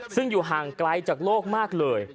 ซึ่งอยู่ห่างไกลจากโลกมากเลย